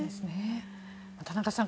田中さん